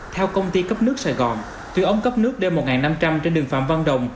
theo công ty cấp nước sài gòn tuyến ống cấp nước d một năm trăm linh trên đường phạm văn đồng